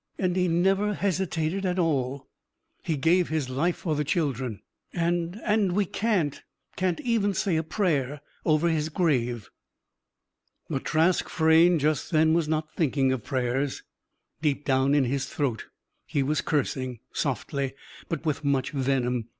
And he never hesitated at all. He gave his life for the children. And and we can't can't even say a prayer over his grave!" But Trask Frayne, just then, was not thinking of prayers. Deep down in his throat, he was cursing: softly, but with much venom.